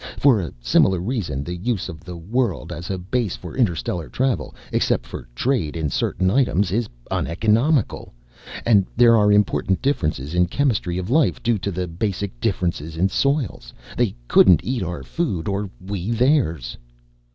For a similar reason the use of the world as a base for interstellar travel, except for trade in certain items, is uneconomical. And there are important differences in chemistry of life due to the basic differences in soils. They couldn't eat our food or we theirs."